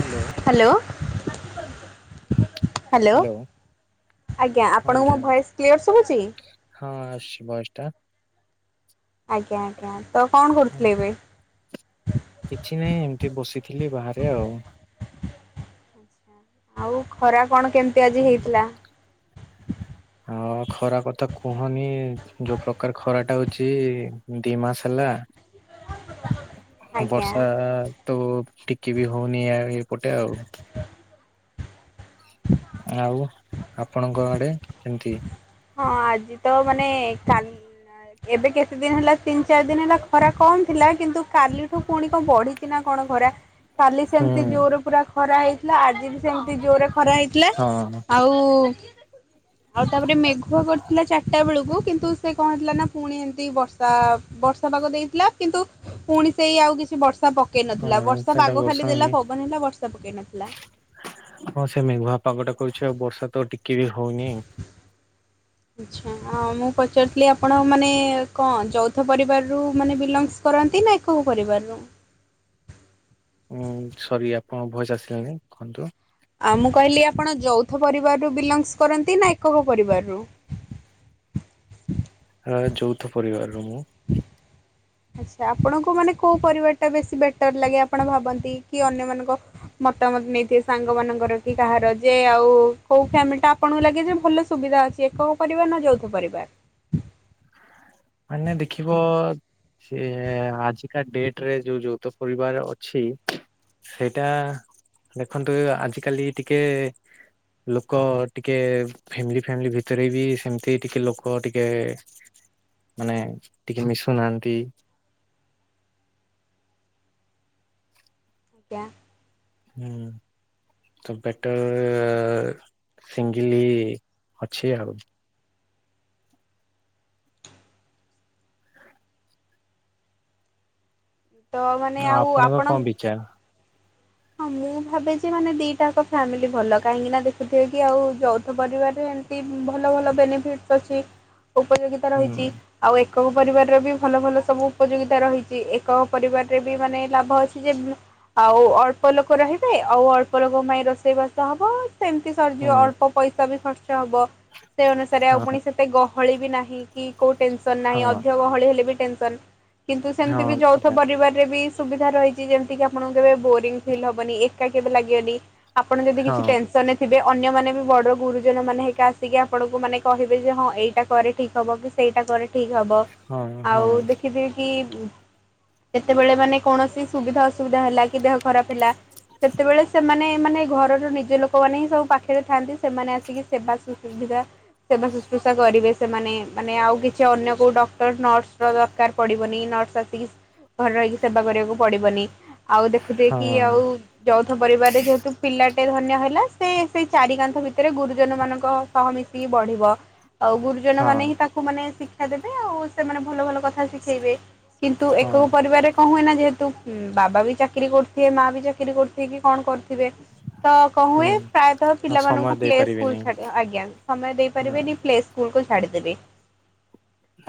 Hello hello. Hello hello ଆଜ୍ଞା ଆପଣଙ୍କୁ ମୋ ଭଏସ କ୍ଲିୟର ସୁଭୁଚି? ହଁ ଆସଚି ପାଞ୍ଚ ଟା। ଆଜ୍ଞା ଆଜ୍ଞା ତ କଣ ହୁଁ, କରୁଥିଲେ ଏବେ? କିଛି ନାହିଁ ଏମିତି ବସିଥିଲି ବାହାରେ ଆଉ। ଆଉ ଖରା କଣ କେମିତି ଆଜି ହେଇଥିଲା? ହଁ ଖରା କଥା କୁହନି ଯୋଉ ପ୍ରକାର ଖରା ଟା ହଉଚି ଦି ମାସ ହେଲା। [inaudible] ଆଜ୍ଞା ବର୍ଷା ତ ଟିକେ ବି ହଉନି ଏ ଏପଟେ ଆଉ। ଆଉ ଆପଣଙ୍କ ଆଡେ କେମିତି ହଁ ଆଜି ତ ମାନେ କାଲ ଏବେ କେତେ ଦିନ ହେଲା ତିନି ଚାରି ଦିନ ହେଲା ଖରା କମ ଥିଲା କିନ୍ତୁ କାଲିଠୁ ପୁଣି କଣ ବଢିଛି ନା କଣ? ଖରା କାଲି ହୁଁ ସେମିତି ଜୋର ପୁରା ଖରା ହେଇଥିଲା ଆଜି ବି ସେମ ଜୋରେ ଖରା ହେଇଥିଲା ହଁ। ଆଉ ଆଉ ତାପରେ ମେଘ୍ ଘ କରିଥିଲା ଚାରିଟା ବେଳକୁ କିନ୍ତୁ ସେ କଣ ହେଇଥିଲା ନା ପୁଣି ଏମିତି ବର୍ଷା ବର୍ଷା ପାଗ ଦେଇଥିଲା, କିନ୍ତୁ ପୁଣି ସେଇ ଆଉ କିଛି ବର୍ଷା ପକେଇ ନଥିଲା ହଁ ବର୍ଷା ସେଟା ପାଗ ଖାଲି ଦେଲା ହଉନି ପବନ ହେଲା ବର୍ଷା ପକେଇ ନଥିଲା। ହଁ ସେ ମେଘୁଆ ପାଗଟା କରୁଚି, ଆଉ ବର୍ଷା ତ ଟିକେ ବି ହଉନି। ଆଛା ଆ ମୁଁ ପଚାରୁଥିଲି ଆପଣ ମାନେ କଣ ଯୌଥ ପରିବାରରୁ ମାନେ ବିଲଙ୍ଗସ୍ କରନ୍ତି ନା କୋଉ ପରିବାରରୁ? [inaudible] ଉଁ, ସରି ଆପଣଙ୍କ ଭଏସ୍ ଆସିଲାନି, କୁହନ୍ତୁ। ଆଉ ମୁଁ କହିଲି ଆପଣ ଯୌଥ ପରିବାରରୁ ବିଲଙ୍ଗସ୍ କରନ୍ତି। ନା ଏକକ ପରିବାରରୁ? [inaudible] ଆ, ଯୌଥ ପରିବାରରୁ ମୁଁ। ଆଚ୍ଛା ଆପଣଙ୍କୁ ମାନେ କୋଉ ପରିବାର ଟା ବେଶୀ ବେଟର୍ ଲାଗେ ଆପଣ ଭାବନ୍ତି? କି ଅନ୍ୟ ମାନଙ୍କ ମତାମତ ନେଇଥିବେ ସାଙ୍ଗ ମାନଙ୍କର କି କାହାର ଯେ ଆଉ କୋଉ ଫ୍ୟାମିଲ୍ ଟା ଆପଣଙ୍କୁ ଲାଗେ ଯେ ଭଲ ସୁବି ଧା ଅଛି ଏକକ ପରିବାର ନା ଯୌଥ ପରିବାର? ମାନେ ଦେଖିବ ସେ ଆଜିକା ଡେଟ୍ ରେ ଯୋଉ ଯୌଥ ପରିବାର ଅଛି ସେଇଟା ଦେଖନ୍ତୁ ଅ, ଆଜିକାଲି ଟିକେ ଲୋକ ଟିକେ ଫ୍ୟାମିଲି ଫ୍ୟାମିଲି ଭିତରେ ବି ସେମିତି ଟିକେ ଲୋକ ଟିକେ ମାନେ ଟିକେ ମିଶୁନାହାନ୍ତି। କ୍ୟା ହୁଁ। ତ ବେଟର୍ ସିଙ୍ଗିଲି ଅଛି ଆଉ। ତ ମାନେ ଆଉ ଆପଣଙ୍କ ଆପଣ କଣ ବିଚାର ହଁ ମୁଁ ଭାବେ ଯେ ମାନେ ଦିଟା ଆକ ଫ୍ୟାମିଲି ଭଲ। କାହିଁକି ନା ଦେଖୁଥିବେ କି ଆଉ ଯୌଥ ପରିବାରରେ ଏମିତି ଭଲ ଭଲ ବେନିଫିଟ ଅଛି। ଉପଯୋଗିତା ହୁଁ ରହିଚି। ଆଉ ଏ ଏକକ ପରିବାରର ବି ଭଲ ଭଲ ସବୁ ଉପଯୋଗିତା ରହିଚି। ଏକ ପରିବାରରେ ବି ମାନେ ଲାଭ ଅଛି ଯେ ମୁ ଆଉ ଅଳ ଅଳ୍ପ ଲୋକ ରହିବେ ଆଉ ଅଳ୍ପ ଲୋକଙ୍କ ପାଇଁ ରୋଷେଇବାସ ହବ। ସେମତି ସରିଯିବ। ହୁଁ ଅଳ୍ପ ପଇସା ବି ଖର୍ ଚ ହବ। ସେ ଅନୁସାରେ ଆଉ ହଁ ପୁଣି ସେତେ ଗହଳି ବି ନାହିଁ। କି କୋଉ ଟେନ୍ସନ୍ ନାହିଁ। ହଁ ଅଧିକ ଗହଳି ହେଲେ ବି ଟେନ୍ସନ୍। କିନ୍ତୁ ହଁ ସେମତି ବି ଯୌଥ ସେଟା ପରିବାରରେ ବି ସୁବିଧା ରହିଚି। ଯେମିତି କି ଆପଣଙ୍କୁ କେବେ ବୋରିଙ୍ଗ ଫିଲ୍ ହବନି। ଏକା କେବେ ଲାଗିବନି। ଆପଣ ଯଦି କିଛି ହଁ ଟେନ୍ସନ୍ ରେ ଥିବେ। ଅନ୍ୟମାନେ [unintelligible] ବଡ ଗୁରୁଜନ ମାନେ ହେକା ଆସିକି ଆପଣଙ୍କୁ ମାନେ କହିବେ ଯେ ହଁ ଏଇଟା କରେ ଠିକ୍ ହବ କି ସେଇଟା କରେ ଠିକ ହବ ହଁ ହଁ ଆଉ ଦେଖିଥିବେ କି କେତେବେଳେ ମାନେ କୌଣସି ସୁବିଧା ଅସୁବିଧା ହେଲା କି ଦେହ ଖରାପ ହେଲା ସେତେବେଳେ ସେମାନେ ମାନେ ଘରର ନିଜ ଲୋକମାନେ ହିଁ ସବୁ ପାଖରେ ଥାଆନ୍ତି। ସେମାନେ ଆସିକି ସେବା ସୁ ସୁବିଧା ସେବା ଶୁଶ୍ରୂଷା କରିବେ ସେମାନେ ମାନେ ଆଉ କିଛି ଅନ୍ୟ କୋଉ ଡକ୍ଟର ନର୍ସ ର ଦରକାର ପଡିବନି। ନର୍ସ ଆସିକି ଘରେ ରହିକି ସେବା କରିବାକୁ ପଡିବନି। ଆଉ ଦେଖୁଥିବେ ହଁ କି ଆଉ ଯୌଥ ପରିବାରରେ ଯେହେତୁ ପିଲାଟେ ଧନ୍ୟ ହେଲା। ସେ ସେଇ ଚାରି କାନ୍ଥ ଭିତରେ ଗୁରୁଜନ ମାନଙ୍କ ସହ ମିଶିକି ବଢିବ। ଆଉ ଗୁରୁଜନ ହଁ ମାନେ ହିଁ ତାକୁ ମାନେ ଶିକ୍ଷା ଦେବେ। ଆଉ ସେମାନେ ଭଲ ଭଲ କଥା ଶିଖେଇବେ। କିନ୍ତୁ ହଁ ଏକକ ପରିବାରରେ କଣ ହୁଏନା ଯେହେତୁ ଉଁ, ବାବା ବି ଚାକିରି କରୁ ଥିବେ, ମା ବି ଚାକିରି କରୁଥିବେ କି କଣ କରିଥିବେ ତ କଣ ହୁଁ ହୁଏ। ପ୍ରାୟତଃ ଆଉ ସମୟ ପିଲାମାନଙ୍କୁ ପ୍ଲେ ସ୍କୁଲ୍ ଦେଇପାରିବେନି ଛାଡ ଆଜ୍ଞା ସମୟ ହଁ ଦେଇପାରିବେନି ପ୍ଲେ ସ୍କୁଲ୍ କୁ ଛାଡିଦେବେ।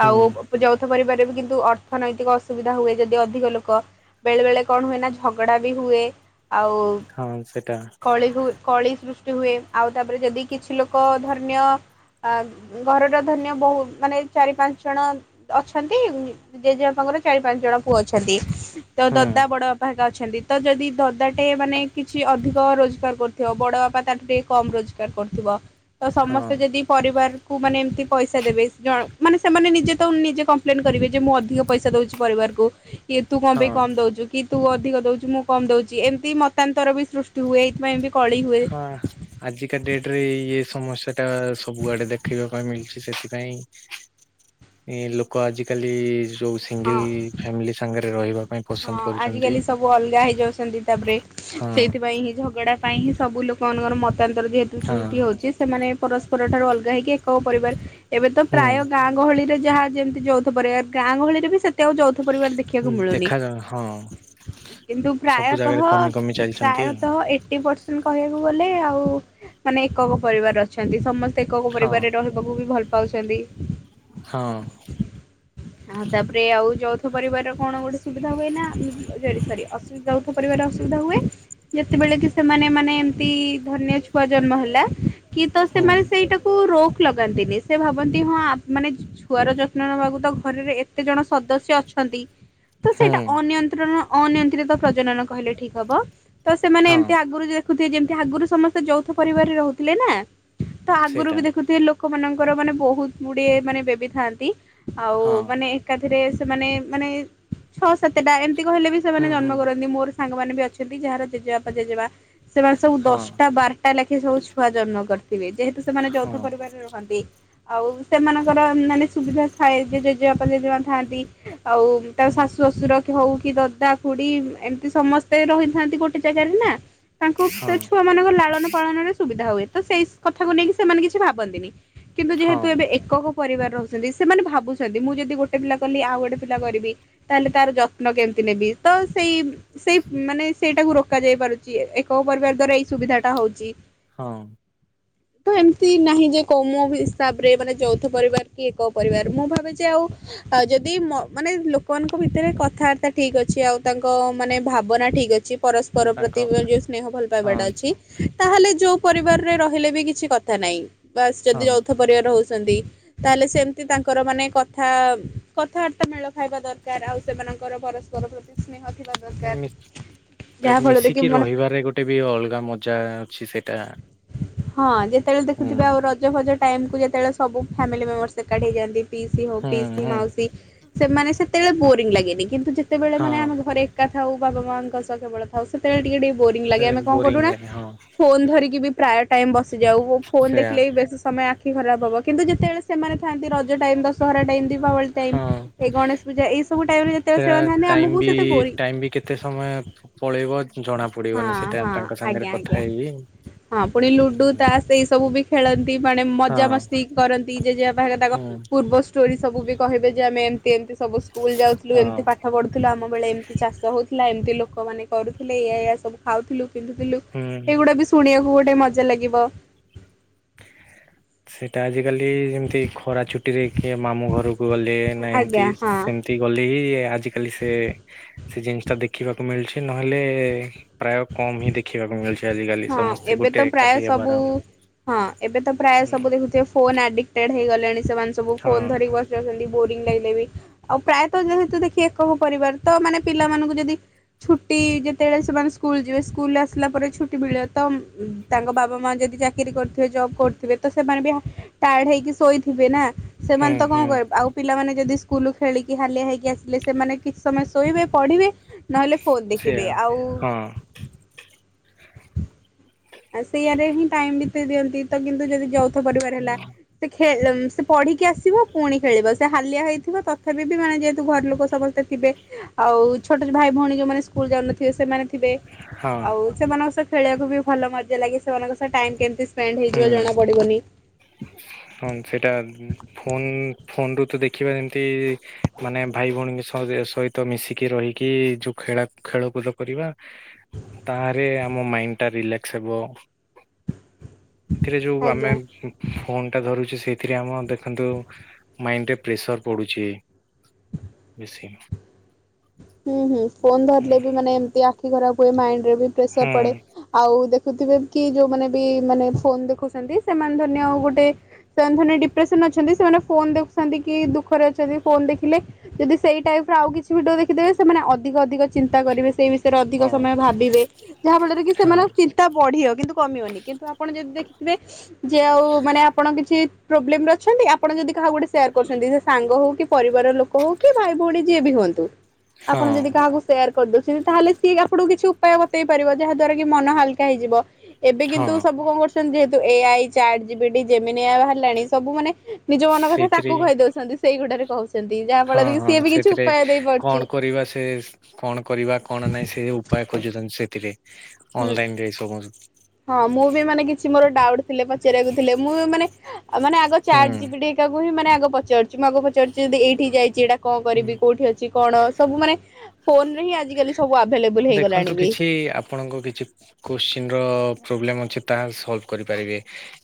ହୁଁ ଆଉ ଯୌ ଥ ପରିବାରେ ବି କିନ୍ତୁ ଅର୍ଥନୈତିକ ଅସୁବିଧା ହୁଏ। ଯଦି ଅଧିକ ଲୋକ ବେଳେବେଳେ କଣ ହୁଏନା ଝ ଝଗଡ଼ା ବି ହୁଏ। ଆଉ ହଁ ସେଟା କଳି ହୁଏ କଳି ସୁଷ୍ ହୁଏ। ଆଉ ତାପରେ ଯଦି କିଛି ଲୋକ ଧରିନିୟ ଆ ଘରର ଧନ୍ୟ ବହୁ ମାନେ ଚାରି ପାଞ୍ଚ ଜଣ ଅଛନ୍ତି। ଜେଜେବାପା ମୋର ଚାରି ପାଞ୍ଚ ଜଣ ପୁଅ ଅଛନ୍ତି। ତ ହୁଁ ଦଦା ବଡ ବାପା ହରିକା ଅଛନ୍ତି। ତ ଯଦି ଦଦାଟେ ମାନେ କିଛି ଅଧିକ ରୋଜଗାର ରୋଜକାର୍ କରୁଥିବ। ବଡ ବାପା ତାଠୁ ଟିକେ କମ୍ ରୋଜଗାର କରୁଥିବ। ତ ହଁ ସମସ୍ତେ ଯଦି ପରିବାର କୁ ମାନେ ଏମିତି ପଇସା ଦେବେ। ମାନେ ସେମାନେ ନିଜେ ତ ନିଜେ କମ୍ପ୍ଲେନ କରିବେ ଯେ ମୁଁ ଅଧିକ ପଇସା ଦଉଛି ପରିବାରକୁ। ଏ ତୁ କଣ ପାଇଁ ହଁ କମ ଦଉଚୁ କି ତୁ ଅଧିକ ଦଉଚୁ ମୁଁ କମ୍ ଦଉଚି। ଏମିତି ମତାନ୍ତର ବି ସୃଷ୍ଟି ହୁଏ। ଏଇଥିପାଇଁବି ହଁ ଆଜିକା ଡେଟରେ ଇଏ ସମସ୍ୟା ଟା ସବୁଆଡେ ଦେଖିବା ପାଇଁ ମିଳୁଛି ସେଥି ପାଇଁ ଏ ଲୋକ ଆଜିକାଲି ଯୋଉ ହଁ ସିଙ୍ଗଲ ଫ୍ୟାମିଲି ସାଙ୍ଗରେ ରହିବା ପାଇଁ ହଁ ପସନ୍ଦ କରୁଛନ୍ତି। ଆଜିକାଲି ସବୁ ଅଲଗା ହେଇଯାଉଛନ୍ତି ତା ପରେ ହଁ ସେଇଥିପାଇଁ ହିଁ ଝଗଡା ପାଇଁ ହିଁ ସବୁ ଲୋକମାନଙ୍କର ମତାନ୍ତର ଯେହେତୁ ହଁ ସୃଷ୍ଟି ହେଉଛି ସେମାନେ ପରସ୍ପର ଠାରୁ ଅଲଗା ହେଇକି ଏକ ପରିବାର ଏବେ ତ ହୁଁ ପ୍ରାୟ ଗାଁ ଗହଳିରେ ଯାହା ଯେମିତି ଯୌଥ ପରିବାର ଗାଆଙ୍ଗହଳି ରେ ବି ସେତେ ଆଉ ଯୌଥ ପରିବାର ଦେଖିବାକୁ ମିଳୁନି। ଦେଖାଯାଉ ହଁ। କିନ୍ତୁ ସବୁ ପ୍ରାୟତଃ ଜାଗାରେ କମି କମି ଚାଲିଛନ୍ତି ପ୍ରାୟତଃ ଏଟୀ ପରସେଣ୍ଟ କହିବାକୁ ଗଲେ ଆଉ ମାନେ ଏକକ ପରିବାର ଅଛନ୍ତି ସମସ୍ତେ ଏକକ ହଁ ପରିବାରରେ ରହିବାକୁ ବି ଭଲ ପାଉଛନ୍ତି। ହଁ ଆଉ ତାହାପରେ ଆଉ ଯୌଥ ପରିବାରର କଣ ଗୋଟେ ହୁଏ ଯାଉଥ ପରିବାର ଅସୁବିଧା ହୁଏ। ଯେତେବେଳେ କି ସେମାନେ ମାନେ ଏମତି ଧରିନିଅ ଛୁଆ ଜନ୍ମ ହେଲା କି ତ ହୁଁ ସେମାନେ ସେଇଟାକୁ ର ଲଗାନ୍ତିନି ସେ ଭାବନ୍ତି ହଁ ମାନେ ଛୁଆର ଯତ୍ନ ନେବାକୁ ତ ଘରରେ ଏତେ ଜଣ ସଦସ୍ୟ ଅଛନ୍ତି ହନ୍ତି ତ ସେଇଟା ହୁଁ। ଅନିୟନ୍ତ୍ରଣ ଅନୟନ୍ତ୍ରିତ ପ୍ରଜନନ କହିଲେ ଠିକ ହବ ତ ସେମାନେ ହଁ ଏମିତି ଆଗରୁ ଦେ ଯେମିତି ଆଗରୁ ସମସ୍ତେ ଯୌଥ ପରିବାରରେ ରହୁଥିଲେ ନା ତ ଆଗରୁ ସେଇଟା ବି ଦେଖୁଥିବେ ଲୋକେ ଲୋକ ମାନଙ୍କର ମାନେ ବହୁତ ଗୁଡିଏ ମାନେ ବେବି ଥାନ୍ତି ଆଉ ହଁ ମାନେ ଏକାଥରେ ମାନେ ମାନେ ଛଅ ସାତଟା ଏମିତି କହିଲେ ବି ସେମାନେ ହୁଁ ଜନ୍ମ ହୁଁ କରନ୍ତି ମୋର ସାଙ୍ଗମାନେ ବି ଅଛନ୍ତି ଯାହାର ଜେଜେବାପ ଜେଜେମା ସେମାନେ ସବୁ ହଁ ଦଶଟା ବାରଟା ଲେଖିଏ ସବୁ ଛୁଆ ଜନ୍ମ କରିଥିବେ ଯେହେତୁ ସେମାନେ ଯୌଥ ହଁ ପରିବାରରେ ରୁହନ୍ତି। ଆଉ ସେମାନଙ୍କର ମାନେ ସୁବିଧା ଥାଏ ଜେଜେବାପ ଜେଜେମା ଥାନ୍ତି ଆଉ ତା ହୁଁ ଶାଶୁ ଶଶୁର ହଉ କି ଦାଦା ଖୁଡି ଏମିତି ସମସ୍ତେ ରହିଥାନ୍ତି ଗୋଟେ ଜାଗାରେ ନା ତାଙ୍କୁ ହଁ ସେ ଛୁଆ ମାନଙ୍କ ଲାଳନ ପାଳନରେ ସୁବିଧା ହୁଏ ତ ସେଇ କଥାକୁ ନେଇକି ସେମାନେ କିଛି ଭାବନ୍ତିନି। କିନ୍ତୁ ଯେହେତୁ ହଁ। ଏବେ ଏକ ହୋ ପରିବାରରେ ରହୁଛନ୍ତି ସେମାନେ ଭାବୁଛନ୍ତି ମୁଁ ଯଦି ଗୋଟେ ପିଲା କଲି ଆଉ ଗୋଟେ ପିଲା କରିବି ତାହେଲେ ତାର ଯତ୍ନ କେମିତି ନେବି ତ ସେଇ ସେଇ ମାନେ ସେଇଟାକୁ ରୋକା ଯାଇ ପାରୁଛି କୋଉ ପରିବାର ଦ୍ଵାରା ଏଇ ସୁବିଧା ଟା ହଉଛି। ହଁ। ହୁତ ଏମିତି ନାହିଁ ଯେ କମ ହିସାବରେ ମାନେ ଯୌଥ ପରିବାର କି କୋଉ ପରିବାର ମୁଁ ଭା ଯେ ଆଉ ଆଉ ଯଦି ମାନେ ସେମାନଙ୍କ ଭିତରେ କଥାବାର୍ତ୍ତା ଠିକ୍ ଅଛି ଆଉ ତାଙ୍କ ମାନେ ଭାବନା ଠିକ ଅଛି ପରସ୍ପର ମାନେ ତାଙ୍କ ପ୍ରତି ଯୋଉ ସ୍ନେହ ଭଲ ପାଇବାଟା ହଁ ଅଛି ତାହେଲେ ଯୋଉ ପରିବାରରେ ରହିଲେ ବି କିଛି କଥା ନାହିଁ ବାସ ଯଦି ହଁ ଯୌଥ ପରିବାର ହଉଛି ତାହେଲେ ସେମତି ତାଙ୍କର ମାନେ କଥା କଥାବାର୍ତ୍ତା ମେଳ ଖାଇବା ଦରକାର ଆଉ ସେମାନଙ୍କର ପରସ୍ପର ପ୍ରତି ସ୍ନେହ ଥିବା ଦରକାର ଯାହା [unintelligible] ଫଳରେ କି ମିଶିକି ମାନେ ରହିବାରେ ଗୋଟେ ବି ଅଲଗା ମଜା ଅଛି ସେ ଟା ହଁ ଯେତେବେଳେ ଦେଖୁଥିବେ ଆଉ ରଜ ଫଜ ଟାଇମକୁୁ ଯେତେବେଳେ ସବୁ ଫାମିଲି ମେମ୍ବରସ ଏକାଠି ହେଇଯାନ୍ତି ପିଇସି ହଉ ହୁଁ ପିଇସି ହୁଁ ମାଉସି ସେମାନେ ସେତେବେଳେ ବୋରିଙ୍ଗ ଲାଗେନି କିନ୍ତୁ ସେତେବେଳେ ହଁ ମାନେ ଆମେ ଘରେ ଏକା ଥାଉ ବାବା ମାଙ୍କ ସାଥେ କେବଳଥାଉ ସେତେବେଳେ ଟିକେ ଟିକେ େ ସେ କଣ କରୁ ବୋରିଂ ଧ ଲାଗେ ହଁ [unintelligible] ଯାଉ ଫୋନ ସେୟା ଦେଖିଲେ ବି ବେଶି ସମୟ ଆଖି ଖରାପ ହବ କିନ୍ତୁ ଯେତେବେଳେ ସେମାନେ ଥାନ୍ତି ପ time Dussehra time Deepavali time ହଁ। ଏଇ ଗଣେଶ ପୂଜା ଏଇସବୁ ଟାଇମ୍ ରେ ଯେତେବେଳେ ସେମାନେ ଥାନ୍ତେ ଆମକୁ ସେତେ ବୋରିଙ୍ଗ ଟାଇମ୍ ବି କେତେ ସମୟ ପଳେଇବ ଜଣା ହଁ ପଡିବନି ସେଟା ହଁ ତାଙ୍କ ଆଜ୍ଞା ସାଙ୍ଗରେ କଥା ଆଜ୍ଞା। ହେଇକି ହଁ ପୁଣି ଲୁଡୁ ତାସ ଏଇ ସବୁ ବି ଖେଳନ୍ତି ମାନେ ହଁ ମଜା ମସ୍ତି କରନ୍ତି ଯେଜେଵାପା ତାଙ୍କ ହୁଁ ପୁ ପୂର୍ବ ଷ୍ଟୋରି ସବୁ ବି କହିବେ ଯେ ଆମେ ଏମିତି ସବୁ ସ୍କୁଲ ଯାଉଥିଲୁ ହଁ ଏମିତି ପାଠ ପଢୁଥିଲୁ ଆମ ବେଳେ ଏମିତି ଚାଷ ହଉଥିଲା ଥିଲା ଏମିତି ଲୋକମାନୋନେ କରୁଥିଲେଇ ୟଆ ସବୁ ଖାଉଥିଲୁ ପିନ୍ଧୁଥିଲୁ ହୁଁ। ଏଗୁଡା ବି ପୁଣିବାକୁ ଗୋଟେ ମଜା ଲାଗିବ। ସେଇଟା ଆଜି। ଆଜ କାଲି ଯେମିତି ଖରା ଛୁଟିରେ କିଏ ମାମୁଁ ଘରକୁ ଗଲେ ନା ଏମିତି ଆଜ୍ଞା ହଁ। ସେମିତି ଗଲେ ହିଁ ଆଜିକାଲି ସେ ସେ ଜିନିଷ ଟା ଦେଖିବାକୁ ମିଳୁଚ। ସେ ନହେଲେ ପ୍ରାୟ କମ ହିଁ ଦେଖିବାକୁ ମିଳୁଛି। ଆଜିକାଲି ହଁ ସମସ୍ତେ ଏବେ ତ ଗୋଟେ ପ୍ରାୟ ଏକାଠି ସବୁ ହେବାର ଆଉ। ହଁ ଏବେ ତ ପ୍ରାୟ ସବୁ ଦେଖୁଥିବେ ଫୋନ ଆଡିକଟେଡ ହେଇଗଲେଣି ସେମାନେ ସବୁ ହଁ ଫୋନ ଧରିକି ବସି ଅଛନ୍ତି। ବୋରିଂ ଲାଗେ ବି ଆଉ ପ୍ରାୟତଃ ଯେହେତୁ ଦେଖି ଏକ ପରିବାର ତ ମାନେ ପିଲାମାନଙ୍କୁ ଯଦି ଛୁଟି ଯେତେବେଳେ ସେମାନେ ସ୍କୁଲ ଯିବେ ସ୍କୁଲ ଆସିଲା ପରେଛୁ ମିଳେ ତ ତାଙ୍କ ବାବା ମା ଯଦି ଚାକିରରି କରିଥିବେ ଜବ୍ କରୁଥିବେ ତ ସେମାନେ ବି ଟାୟାର୍ଡ ହେଇକି ଶୋଇଥିବେ ନା ହୁଁ ସେମାନେ ତ କଣ ହୁଁ କରହିବେ ଆଉ ପିଲାମାନେ ଯଦି। ସ୍କୁଲ ଖେଳିକି ହାଲିଆ ହୋଇକି ଆସିଲେ ସେମାନେ କିଛି ସମୟ ଶୋଇବେ ପଢ଼ିବେ। ନହେଲେ ଫୋନ ସେଆ ଦେଖିବେ ଆଉ ହଁ ଆ ସେଇଆରେ ହିଁ ଟାଇମ ବିତ ଦିଅନ୍ତି ତ କିନ୍ତୁ ଯଦି ଯୌଥ ପରିବାର ହେଲା ସେ। ଖଳ ସେ ପଢିକି ଆସିବ ପୁଣି ଖେଳିବ। ସେ ହାଲିଆ ହେଇଥିବ ତଥାପି ବି ମାନେ ଯେହେତୁ ଘର ଲୋକ ସମସ୍ତେ ଥେ ଆଉ ଛୋଟ ୋ ଭାଇ ଭଉଣୀ ଯୋଉମାନେ ଯାଉନଥିବ ସେମାନେ। ହଁ ଆଉ ସେମାନଙ୍କ ସହ ଖେଳିବାକୁ ବି ଭଲ ମଜା ଲାଗେ ସେମାନଙ୍କ ସହ ଟାଇ କେମତି। ଫ୍ୟାଟ ହେଇଯିବ ହୁଁ ଜଣା ପଡିବନି। ହଁ ସେଇଟା ଫୋନ ଫୋନ ରୁ ତ ଦେଖିବା ଯେମିତି ମାନେ ଭାଇ ଭଉଣୀଙ୍କ ସହଜ। ସହିତ ମିଶିକି ରହିକି ଯୋଉ ଖେଳା ଖେଳକୁଦ କରିବା। ତାହଲେ ଆମ ମାଇଣ୍ଡ ଟା ରିଲାକ୍ସ ହେବ। ଏଥିରେ ଯୋଉ ଆମେ। ଆଜ୍ଞା ଫୋନ ଟା ଧରୁଛି ସେଇଥିରେ ଆମ ଦେଖନ୍ତୁ ମାଇଣ୍ଡରେ ପ୍ରେସର ପଡୁଛି। ବସି [unintelligible] ହୁଁ ହୁଁ ଫୋନ ଧରିଲେ ବି ମାନେ ଏମତି ଆଖି ଖରାପ ହୁଏ, ମାଇଣ୍ଡ ରେ ବି ପ୍ରେସର ହୁଁ ପଡେ ଆଉଖ କି ଯୋଉମାନେ ବି ମାନେ ଫୋନ ଦେଖୁଛନ୍ତି। ସେମାନେ ଧନ ଆଉ ଗୋଟେ ସେମାନେ ଧ ଡିପ୍ରେସନ। ସେମାନେ ଫୋ ଦେଖୁଛନ୍ତି କି ଦୁଃଖରେଛନ୍ତି ଫୋ ଦେଖିଲେ ଯଦି ସେଇ ଟାଇପ ଆଉ କିଛି ଭିଓ ଦେବେ ସେମାନେ ଅଧିକ ଅଧିକ ଚିନ୍ତା କରିବେ ସେଇ ବିଷ। ରେ ଅଧିକ ହଁ ସମୟ ଭାବିବେ ଯାହା ଫଳରେ କି ହଁ ସେମାନଙ୍କ ଚିନ୍ତା ବଢିବ କିନ୍ତୁ କମିବନି କିନ୍ତୁ ଆପଣ ଯଦି ଦେଖିେ। ଯେ ଆଉ ମାନେ ଆପଣ କିଛି। ପ୍ରୋବ୍ଲେମରେ ଅଛନ୍ତି ଆପଣ ଯଦି କାହା ଗୋଟେ ସେୟାର କରୁଛନ୍ତି। ସେ ସାଙ୍ଗ ହଉ କି ପରିବାର ଲୋକ ହଉ କି ଭାଇ ଭଉଣୀ ଯିଏ ବି ହୁଅନ୍ତୁ, ଆପଣ ହଁ ଯଦି କାହାକୁ ସେୟାର। କରିଦଉଛନ୍ତି, ତାହେଲେ ସିଏ ଆପଣଙ୍କୁ କିଛି ଉପାୟ ବତେଇ ପାରିବ ଯାହା ଦ୍ଵାରା କି ମନ ହାଲକା ହେଇଯିବ। ଏବେ ହଁ କିନ୍ତୁ ସବୁ କଣ କରୁଛନ୍ତି, ଯେହେତୁ ଏ ଆଇ ଚ ଜି ମିନି ବାହାରିଲାଣି ସବୁ ମାନେ ନିଜ ମନ କଥା ସେଇଥିରେ ତାକୁ କହିଦଉଛନ୍ତି ସେଇ ଗୁଡାରେ କହୁଛନ୍ତି। ଯାହା ହଁ ଫଳରେ କି ହଁ ସିଏ ବି କିଛି ସେଥିରେ ଉପାୟ ଦେଇ କଣ ପାରୁଛି। କରିବା ସେ କଣ କରିବା କଣ ନାହିଁ ସେ ଉପାୟ ଖୋଜୁଛନ୍ତି। ସେଥିରେ। ହଁ ଅନଲାଇନ ରେ ସବୁ ହୁଁ ହଁ ମୁଁ ବି ମାନେ କିଛି ମୋରଡାଉଟ। ଥିଲେ ପଚାରିବାକୁ ଥିଲେ। ମୁଁ ମାନେ ମାନେ ଆଗ ଚାଟ ଯିବି ଟାକୁ ହିଁ ମାନେ ପଚାରୁଛି ମୁଁ ଆଗ ପଚାରୁଛି ଯଦି ଏଇଠି ଯାଇଛି ଏଇଟା। କଣ ହୁଁ କରିବି କୋଉଠି ଅଛି କଣ ସବୁ ମାନେ ଫୋନରେ ହିଁ ଆଜିକାଲି। ସବୁ ଆଭେଲେବୁଲ ହେଇଗଲାଣି ଦେଖନ୍ତୁ ବି। କିଛି ଆପଣଙ୍କ କିଛି। କୋଶ୍ଚନର ପ୍ରୋବ୍ଲେମ ଅଛି ତାହା ସଲଭ କରିପାରିବେ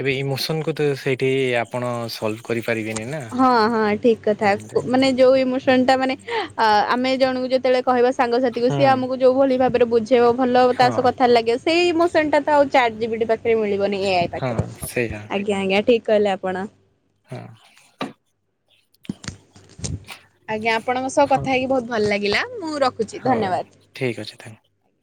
ଏବେ ଇମୋସନକୁତ ସେଇଠି। ଯଦି ଆପଣ ସଲଭ୍ କରି ହଁ ହଁ ଠିକ କଥା କୁ ମାନେ ଯୋଉ ଇମୋସନଟା ମାନେ ଆ ଆମେ ଜଣକୁ ଯେତେବେଳେ। କହିବା ସାଙ୍ଗସାଥି କ ସିଏ ହୁଁ ଆମକୁ ଯୋଉ ଭଳି ଭାବରେ ବୁଝେଇବ ଭଲ ତା ସହ ହଁ କଥାରେ ଲାଗିବ ସେଇ ଇମୋ ସେଟାତ ଆଉ ଚାର୍ଟ ପାଖରେ ମିଳିବନି ଏ ଆଇ ହଁ ପାଖରେ ସେଇଆ ଆଜ୍ଞା ଆଜ୍ଞା ଠିକ କହିଲେ ଆପଣ। ହଁ। ଆଜ୍ଞା ଆପଣଙ୍କ ସହ ହଁ କଥା ହେଇକି ବହୁତ ଭଲ ଲାଗିଲା। ମୁଁ ରଖୁଚି ହଉ ଠିକ୍ ଅଛି ତାହେଲେ। ଧନ୍ୟବାଦ।